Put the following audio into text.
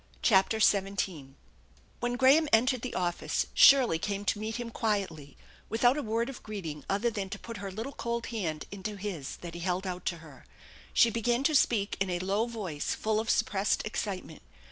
CHAPTEK XVII WHEN Graham entered the office Shirley came to meet him quietly, without a word of greeting other than to put her little cold hand into his that he held out to her. She began to speak in a low voice full of suppressed excitement.